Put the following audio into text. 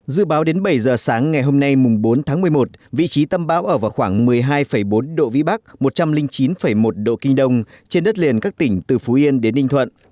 dự báo đến bảy giờ sáng ngày hôm nay bốn tháng một mươi một vị trí tâm bão ở vào khoảng một mươi hai bốn độ vĩ bắc một trăm linh chín một độ kinh đông trên đất liền các tỉnh từ phú yên đến ninh thuận